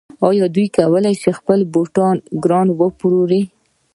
آیا دی کولی شي خپل بوټان ګران وپلوري؟